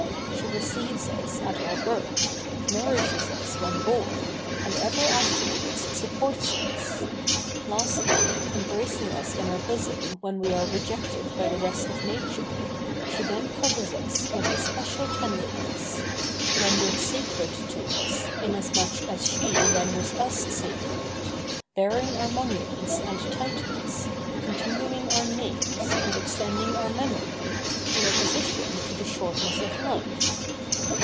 She receives us at our birth, nourishes us when born, and ever afterwards supports us; lastly, embracing us in her bosom when we are rejected by the rest of nature, she then covers us with especial tenderness; rendered sacred to us, inasmuch as she renders us sacred, bearing our monuments and titles, continuing our names, and extending our memory, in opposition to the shortness of life.